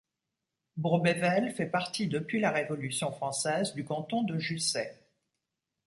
Bourbévelle fait partie depuis la Révolution française du canton de Jussey.